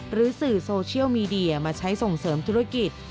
สื่อโซเชียลมีเดียมาใช้ส่งเสริมธุรกิจ